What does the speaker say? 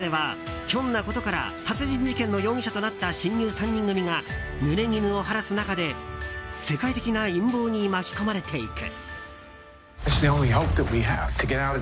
映画では、ひょんなことから殺人事件の容疑者となった親友３人組が濡れ衣を晴らす中で世界的な陰謀に巻き込まれていく。